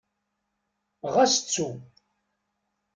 Ɣas ttu.